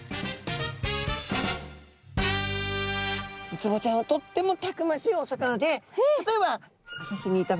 ウツボちゃんはとってもたくましいお魚で例えば浅瀬にいた場合ですね